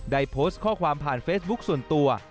ได้โพสต์ข้อความผ่านเฟซบุ๊คส่วนตัว